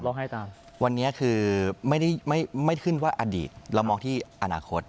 ให้ตามวันนี้คือไม่ได้ไม่ขึ้นว่าอดีตเรามองที่อนาคต